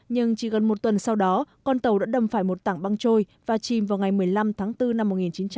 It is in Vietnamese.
nhưng chỉ gần một tuần sau đó con tàu đã đâm phải một tảng băng trôi và chìm vào ngày một mươi năm tháng bốn năm một nghìn chín trăm bảy mươi